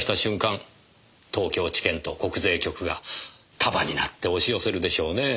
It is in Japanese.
東京地検と国税局が束になって押し寄せるでしょうねぇ。